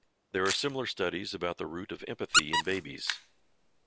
There are similar studies about the root of empathy in babies.